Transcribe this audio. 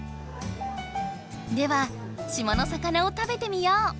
では島の魚を食べてみよう！